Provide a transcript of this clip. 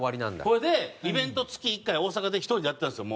ほいでイベント月１回大阪で１人でやってたんですよ